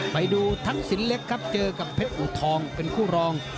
ไปดูทักษิณเล็กครับเจอกับเพชรอูทองเป็นคู่รอง